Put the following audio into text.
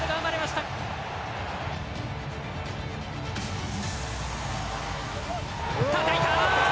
たたいた！